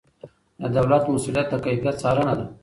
د دولت مسؤلیت د کیفیت څارنه ده.